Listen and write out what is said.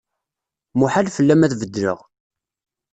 Muḥal fell-am ad beddleɣ.